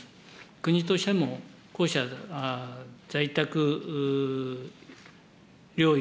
国としても、こうした在宅療養、